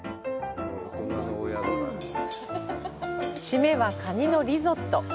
締めは、カニのリゾット。